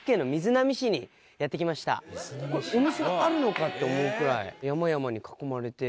ここにお店があるのか？って思うぐらい。